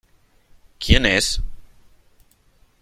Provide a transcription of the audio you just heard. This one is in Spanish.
¿ quién es ?